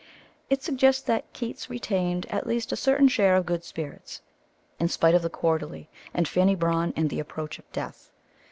It suggests that Keats retained at least a certain share of good spirits, in spite of the Quarterly and Fanny Brawne and the approach of death.